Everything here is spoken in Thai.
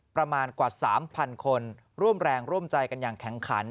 ประมาณกว่า๓๐๐คนร่วมแรงร่วมใจกันอย่างแข็งขัน